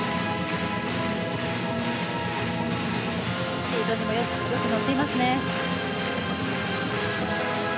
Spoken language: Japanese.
スピードにもよくのっていますね。